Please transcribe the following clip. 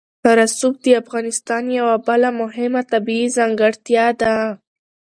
رسوب د افغانستان یوه بله مهمه طبیعي ځانګړتیا ده.